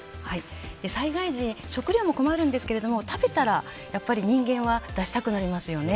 災害時に食料も困るんですけども食べたら人間は出したくなりますよね。